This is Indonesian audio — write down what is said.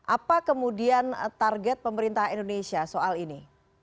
apa kemudian target pemerintah indonesia soal ini